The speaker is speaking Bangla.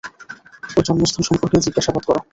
ওর জন্মস্থান সম্পর্কে জিজ্ঞাসা করো।